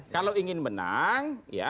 kalau ingin menang